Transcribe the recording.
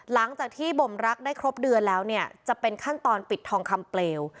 หลังจากที่บ่มรักได้ครบเดือนแล้วเนี่ยจะเป็นขั้นตอนปิดทองคำเปลว